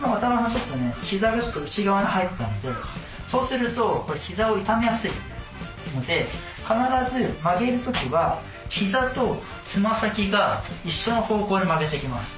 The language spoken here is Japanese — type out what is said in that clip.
ちょっとねひざが内側に入ってたのでそうするとこれひざを痛めやすいので必ず曲げる時はひざとつま先が一緒の方向に曲げていきます。